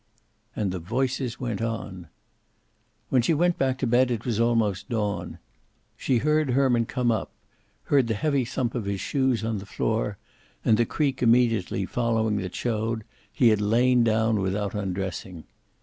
And the voices went on. When she went back to bed it was almost dawn. She heard Herman come up, heard the heavy thump of his shoes on the floor, and the creak immediately following that showed he had lain down without undressing.